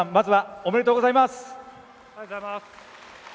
ありがとうございます。